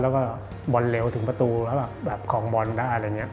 แล้วก็บอลเร็วถึงประตูแล้วแบบของบอลได้